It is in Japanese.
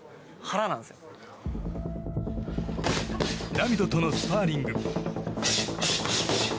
ラミドとのスパーリング。